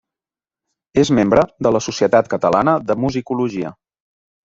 És membre de la Societat Catalana de Musicologia.